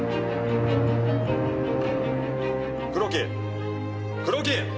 黒木黒木！？